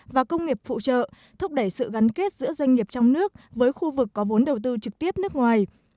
và công nghiệp phụ trợ thúc đẩy sự gắn kết giữa doanh nghiệp trong nước với khu vực có vốn đầu tư trực tiếp nước ngoài